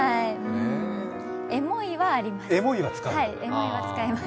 エモいは使います。